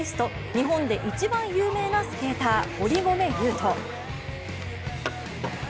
日本で一番有名なスケーター堀米雄斗。